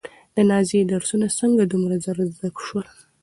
د نازيې درسونه څنګه دومره ژر زده شول؟